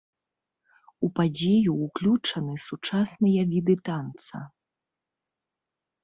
У падзею ўключаны сучасныя віды танца.